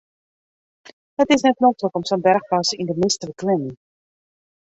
It is net noflik om sa'n berchpas yn de mist te beklimmen.